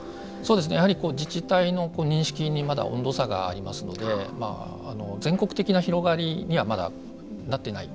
やはり自治体の認識にまだ温度差がありますので全国的な広がりにはまだ、なっていない。